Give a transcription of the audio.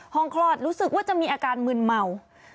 คลอดรู้สึกว่าจะมีอาการมืนเมา